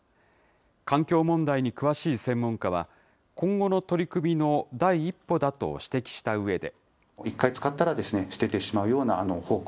環境問題に詳しい専門家は、今後の取り組みの第一歩だと指摘したうえで。